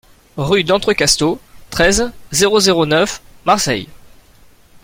Rue d'Entrecasteaux, treize, zéro zéro neuf Marseille